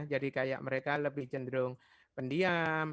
jadi kayak mereka lebih cenderung pendiam